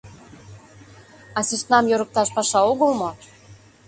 — А сӧснам йӧрыкташ паша огыл мо?